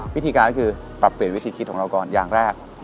วิธีการก็คือปรับเปลี่ยนวิธีคิดของเราก่อนอย่างแรก